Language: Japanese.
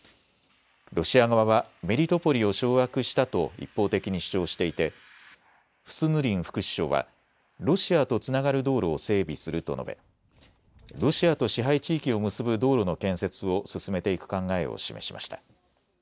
ロシア側はメリトポリを掌握したと一方的に主張していてフスヌリン副首相はロシアとつながる道路を整備すると述べロシアと支配地域を結ぶ道路の建設を進めていく考えを示しました。